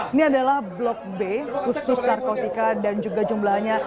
ini adalah blok b khusus narkotika dan juga jumlahnya